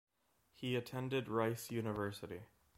He attended Rice University.